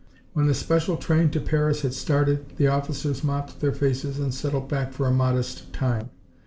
When the special train to Paris had started the officers mopped their faces and settled back for a modest time.